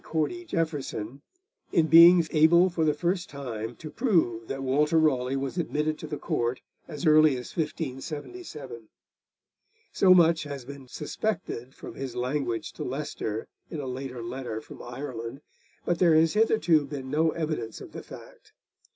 Cordy Jeaffreson, in being able for the first time to prove that Walter Raleigh was admitted to the Court as early as 1577. So much has been suspected, from his language to Leicester in a later letter from Ireland, but there has hitherto been no evidence of the fact.